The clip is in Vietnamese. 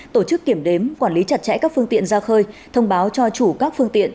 tổ chức kiểm đếm quản lý chặt chẽ các phương tiện ra khơi thông báo cho chủ các phương tiện